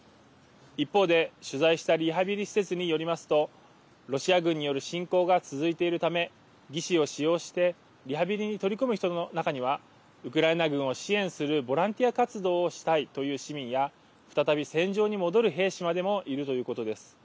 一方で取材したリハビリ施設によりますとロシア軍による侵攻が続いているため義肢を使用してリハビリに取り組む人の中にはウクライナ軍を支援するボランティア活動をしたいという市民や再び戦場に戻る兵士までもいるということです。